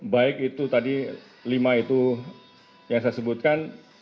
baik itu tadi lima itu yang saya sebutkan